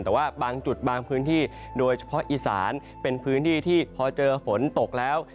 แต่ว่าบางจุดบางพื้นที่โดยเฉพาะอีสานเป็นพื้นที่ที่พอเจอฝนตกแล้ว